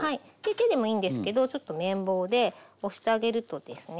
手でもいいんですけどちょっと麺棒で押してあげるとですね